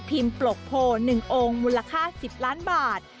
พิมพ์ปลกโผน๑องค์มูลค่า๑๐ล้านบาท